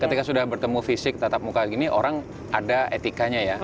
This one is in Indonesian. ketika sudah bertemu fisik tetap muka gini orang ada etikanya ya